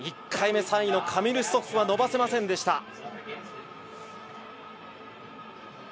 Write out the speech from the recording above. １回目３位のカミル・ストッフは伸ばせませんでした。